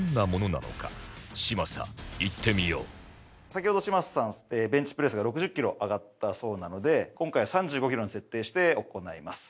先ほど嶋佐さんベンチプレスが６０キロ上がったそうなので今回は３５キロに設定して行います。